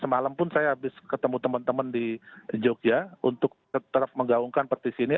semalam pun saya habis ketemu teman teman di jogja untuk tetap menggaungkan petisi ini